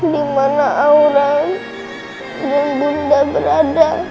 dimana aura dan bunda berada